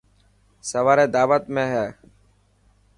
سواري داوت ۾هي.